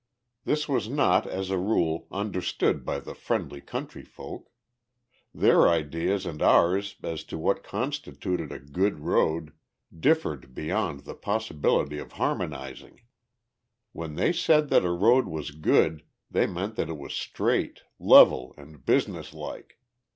This was not, as a rule, understood by the friendly country folk. Their ideas and ours as to what constituted a good road differed beyond the possibility of harmonizing. When they said that a road was good they meant that it was straight, level, and businesslike.